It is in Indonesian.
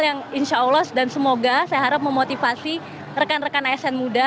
yang insya allah dan semoga saya harap memotivasi rekan rekan asn muda